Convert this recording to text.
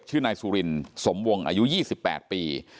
ชื่อนายซุรินอายุ๒๘ปี